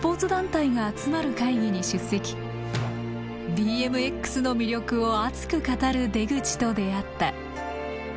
ＢＭＸの魅力を熱く語る出口と出会った。